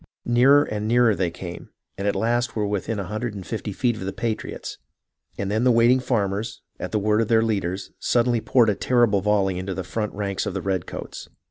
Nearer and nearer they came, and at last were within a hundred and fifty feet of the patriots, and then the waiting farmers, at the word of their leaders, suddenly poured a terrible volley into the front ranks of the red coats.